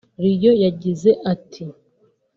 Lion yagize ati